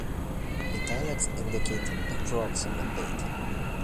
Italics indicate an approximate date.